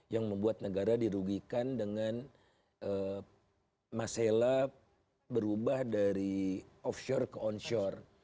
yang membuat negara dirugikan dengan masalah berubah dari offshore ke onshore